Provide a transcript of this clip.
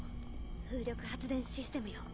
風力発電システムよ。